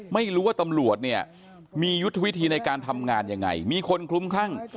ไม่รู้ว่าตำรวจเนี่ยมียุทธวิธีในการทำงานยังไงมีคนคลุ้มคลั่ง